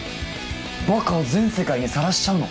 ばかを全世界にさらしちゃうの。